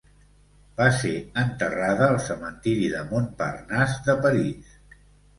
Va ser enterrada al cementiri de Montparnasse de París.